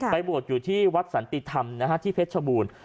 บวชอยู่ที่วัดสันติธรรมที่เพชรชบูรณ์